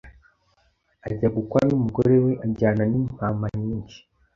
ajya gukwa n'umugore we ajyana n'intama nyinshi